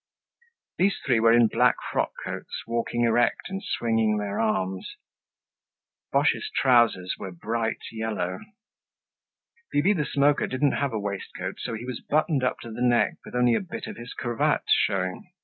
These three were in black frock coats, walking erect and swinging their arms. Boche's trousers were bright yellow. Bibi the Smoker didn't have a waistcoat so he was buttoned up to the neck with only a bit of his cravat showing.